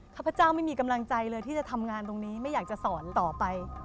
ข้าพเจ้าไม่มีกำลังใจเลยที่จะทำงานตรงนี้ไม่อยากจะสอนต่อไป